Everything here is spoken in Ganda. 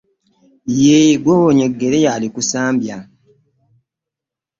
Ye gwowonya eggere y'alikusambya .